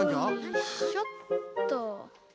よいしょっと。